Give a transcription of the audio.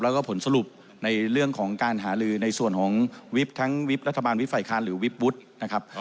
แล้วก็ผลสรุปในเรื่องของการหาลือในส่วนของวิบทั้งวิบรัฐบาลวิบฝ่ายค้านหรือวิบวุฒินะครับ